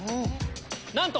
なんと！